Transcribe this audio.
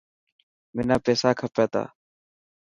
منا پيسا کپي تا.